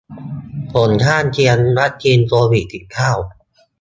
ผลข้างเคียงวัคซีนโควิดสิบเก้า